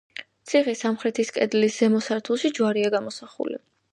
ციხის სამხრეთის კედლის ზემო სართულში ჯვარია გამოსახული.